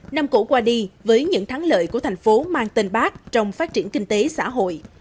năm cũ qua đi với những thắng lợi của thành phố mang tên bác trong phát triển kinh tế xã hội